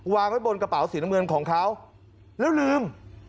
วางไว้บนกระเป๋าสีน้ำเงินของเขาแล้วลืม